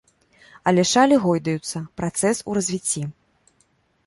Але шалі гойдаюцца, працэс у развіцці.